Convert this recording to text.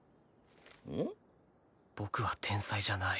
僕は天才じゃない。